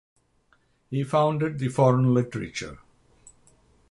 He founded the "Foreign Literature".